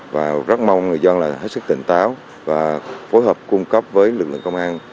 và rất mong người dân là hết sức tỉnh táo và phối hợp cung cấp với lực lượng công an